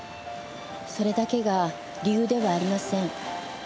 それだけが理由ではありません。